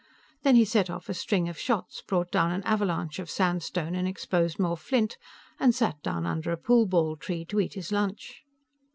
Then he set off a string of shots, brought down an avalanche of sandstone and exposed more flint, and sat down under a pool ball tree to eat his lunch.